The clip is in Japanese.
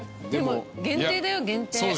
でも限定だよ限定。